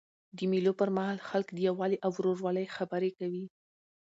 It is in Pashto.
د مېلو پر مهال خلک د یووالي او ورورولۍ خبري کوي.